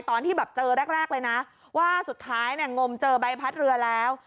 ตอนที่แบบเจอแรกเลยนะว่าสุดท้ายเนี่ยงมเจอใบพัดเรือแล้ว